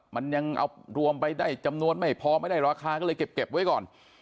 มันยังเอารวมไปได้จำนวนไม่พอไม่ได้ราคาก็เลยเก็บไว้ก่อน